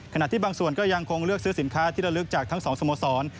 ที่บางส่วนก็ยังคงเลือกซื้อสินค้าที่ระลึกจากทั้งสองสโมสร